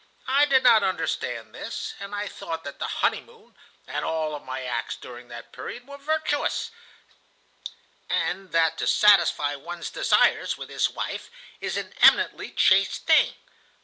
I did not understand this, and I thought that the honeymoon and all of my acts during that period were virtuous, and that to satisfy one's desires with his wife is an eminently chaste thing.